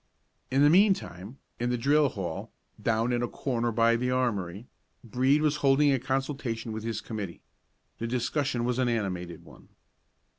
In the mean time, in the drill hall, down in a corner by the armory, Brede was holding a consultation with his committee. The discussion was an animated one.